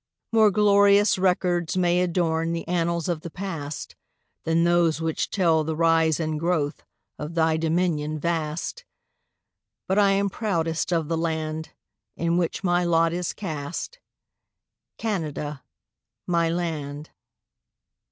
More glorious records may adorn The annals of the past Than those which tell the rise and growth Of thy dominion vast; But I am proudest of the land In which my lot is cast, Canada, my land.